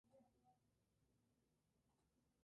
Existen distintas teorías sobre su origen.